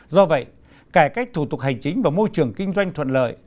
do vậy cải cách thủ tục hành chính và môi trường kinh doanh thuận lợi